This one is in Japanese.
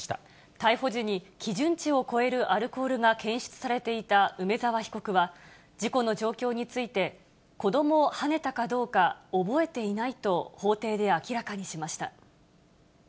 逮捕時に基準値を超えるアルコールが検出されていた梅沢被告は、事故の状況について、子どもをはねたかどうか覚えていないと法廷で明らかにしました。